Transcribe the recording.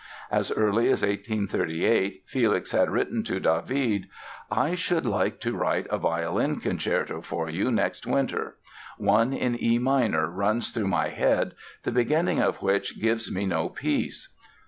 As early as 1838 Felix had written to David: "I should like to write a violin concerto for you next winter. One in E minor runs through my head the beginning of which gives me no peace".